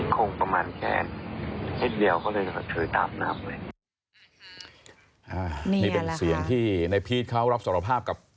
ก็เลยถือตามน้ำเลยนี่เป็นเสียงที่ในพีชเขารับสรภาพกับ